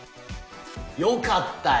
よかったよ。